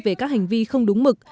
về các hành vi không đúng mực